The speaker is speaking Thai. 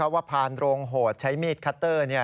ว่าผ่านโรงโหดใช้มีดคัตเตอร์